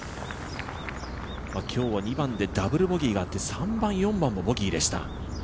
今日は２番でダブルボギーがあって３番、４番もボギーでした。